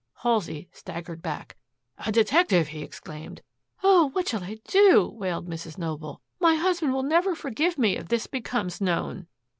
Halsey staggered back. "A detective!" he exclaimed. "Oh, what shall I do!" wailed Mrs. Noble. "My husband will never forgive me if this becomes known."